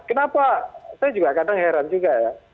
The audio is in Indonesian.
kenapa saya juga kadang heran juga ya